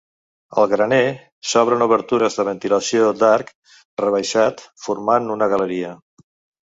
Al graner s'obren obertures de ventilació d'arc rebaixat formant una galeria.